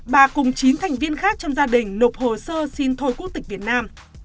bà cùng chín thành viên khác trong gia đình nộp hồ sơ xin thôi quốc tịch việt nam